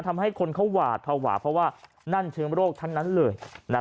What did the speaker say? ทำให้คนเขาหวาดภาวะเพราะว่านั่นเชื้อโรคทั้งนั้นเลย